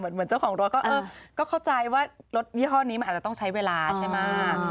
เหมือนเจ้าของรถก็เข้าใจว่ารถยี่ห้อนี้มันอาจจะต้องใช้เวลาใช่ไหม